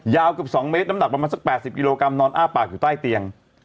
เกือบ๒เมตรน้ำหนักประมาณสัก๘๐กิโลกรัมนอนอ้าปากอยู่ใต้เตียง